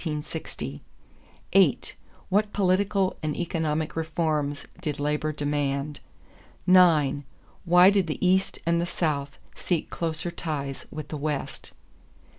8. What political and economic reforms did labor demand? 9. Why did the East and the South seek closer ties with the West?